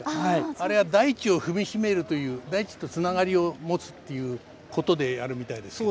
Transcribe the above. あれは大地を踏み締めるという大地とつながりを持つっていうことでやるみたいですけど。